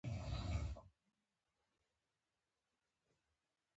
په افغانستان کې چار مغز ډېر زیات اهمیت او ارزښت لري.